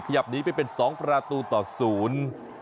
ขยับหนีไปเป็นสองประตูต่อศูนย์